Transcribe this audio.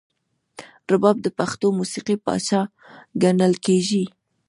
رباب د پښتو موسیقۍ پاچا ګڼل کیږي.